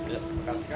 iya makasih kan